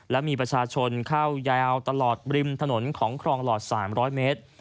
และมีประชาชนเข้ายาวตลอดริมถนนของครองหลอด๓๐๐เมตร